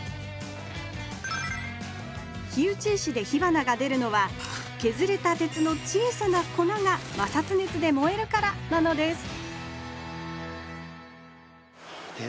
火打ち石で火花がでるのはけずれた鉄の小さな粉が摩擦熱で燃えるからなのです鉄